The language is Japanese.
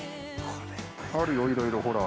◆あるよ、いろいろ、ほら。